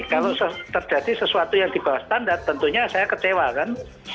kalau terjadi sesuatu yang di bawah standar tentunya saya kecewa kan